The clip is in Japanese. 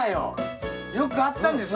よくあったんだよ。